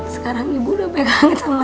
sekarang ibu udah baik banget sama saya